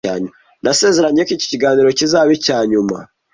Ndasezeranye ko iki kiganiro kizaba icya nyuma.